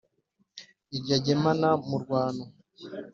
iryo agemana mu rwano